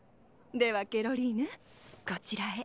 ではケロリーヌこちらへ。